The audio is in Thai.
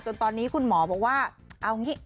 จนตอนนี้คุณหมอบอกว่าเอาอย่างนี้